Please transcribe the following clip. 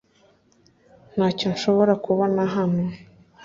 Ntacyo nshobora kubona hano .